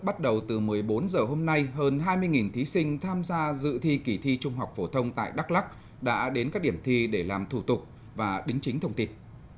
bắt đầu từ một mươi bốn h hôm nay hơn hai mươi thí sinh tham gia dự thi kỳ thi trung học phổ thông tại đắk lắc đã đến các điểm thi để làm thủ tục và đính chính thông tin